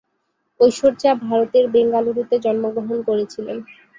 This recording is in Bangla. ঐশ্বর্যা ভারতের বেঙ্গালুরুতে জন্মগ্রহণ করেছিলেন।